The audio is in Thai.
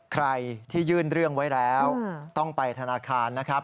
ใครที่ยื่นเรื่องไว้แล้วต้องไปธนาคารนะครับ